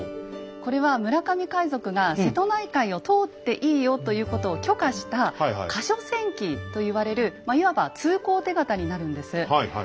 これは村上海賊が瀬戸内海を通っていいよということを許可した「過所船旗」と言われるいわば通行手形になるんです。